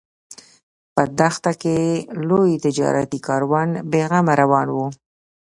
په دښته کې لوی تجارتي کاروان بې غمه روان و.